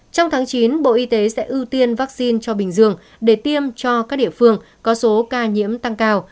trong tháng chín bộ y tế sẽ ưu tiên vaccine cho bình dương để tiêm cho các địa phương có số ca nhiễm tăng cao